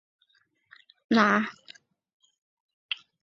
还有很多贷款要还哪